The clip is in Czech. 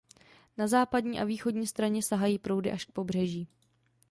Na západní a východní straně sahají proudy až k pobřeží.